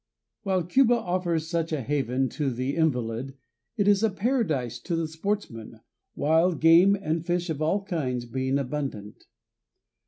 While Cuba offers such a haven to the invalid, it is a paradise to the sportsman, wild game and fish of all kinds being abundant.